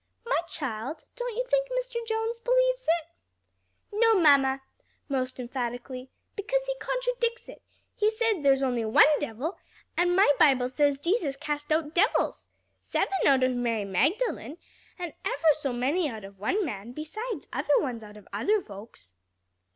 "My child, don't you think Mr. Jones believes it?" "No, mamma," most emphatically, "because he contradicts it; he said there's only one devil, and my Bible says Jesus cast out devils seven out of Mary Magdalen, and ever so many out of one man, besides other ones out of other folks."